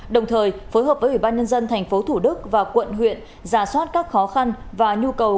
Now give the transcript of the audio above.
đồng thời phối hợp với ubnd tp hcm và quận huyện giả soát các khó khăn và nhu cầu